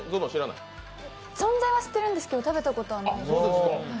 存在は知ってるんですけど、食べたことはないです。